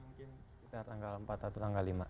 mungkin sekitar tanggal empat atau tanggal lima